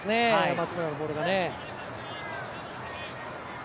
松村のボールが。